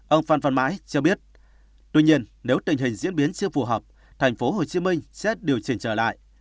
ông phan văn mãi cho biết tuy nhiên nếu tình hình diễn biến chưa phù hợp tp hcm xét điều chỉnh trở lại